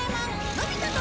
『のび太と』